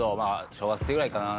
小学生ぐらいかな？